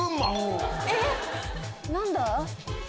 えっ何だ？